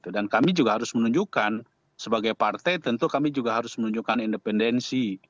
dan kami juga harus menunjukkan sebagai partai tentu kami juga harus menunjukkan independensi